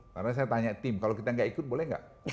karena saya tanya tim kalau kita nggak ikut boleh nggak